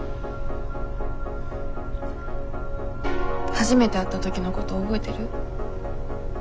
初めて会った時のこと覚えてる？